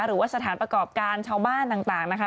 หรือว่าสถานประกอบการชาวบ้านต่างนะคะ